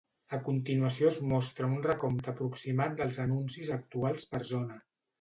A continuació es mostra un recompte aproximat dels anuncis actuals per zona.